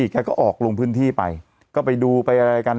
แข็งแรง